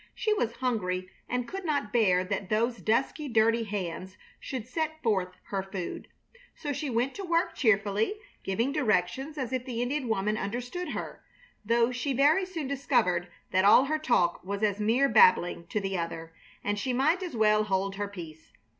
She was hungry and could not bear that those dusky, dirty hands should set forth her food, so she went to work cheerfully, giving directions as if the Indian woman understood her, though she very soon discovered that all her talk was as mere babbling to the other, and she might as well hold her peace.